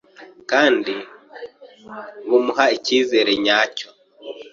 kandi bumuha icyizere nyacyo